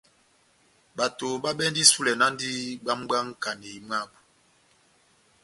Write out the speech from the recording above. Bato babɛndi isulɛ náhndi bwamu bwá nkanéi mwabu.